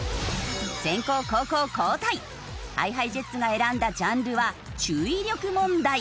先攻後攻交代。ＨｉＨｉＪｅｔｓが選んだジャンルは注意力問題。